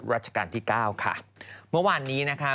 รัชกาลที่๙ค่ะ